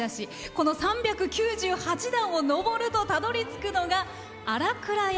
この３９８段を上ると、たどりつくのが新倉山